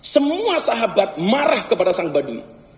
semua sahabat marah kepada sang baduy